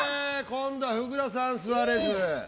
今度は福田さん座れず。